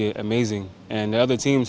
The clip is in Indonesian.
dan tim lainnya punya pemain yang bagus